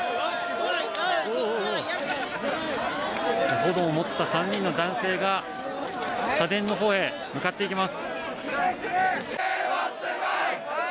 炎を持った３人の男性が社殿のほうへ向かっていきます。